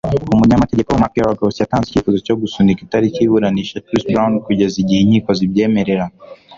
Umunyamategeko Mark Geragos yatanze icyifuzo cyo gusunika itariki y'iburanisha Chris Brown kugeza igihe inkiko zibyemerera.